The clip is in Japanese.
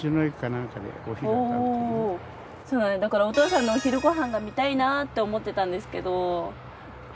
お父さんのお昼ご飯が見たいなって思ってたんですけど。